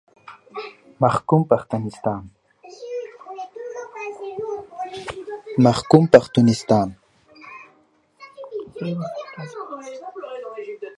محکوم پښتونستان